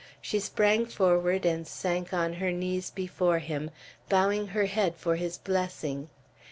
she sprang forward, and sank on her knees before him, bowing her head for his blessing.